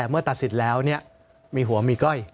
เมื่อตัดสินแล้วมีหัวมีก้อย